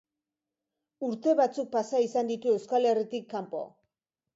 Urte batzuk pasa izan ditu Euskal Herritik kanpo.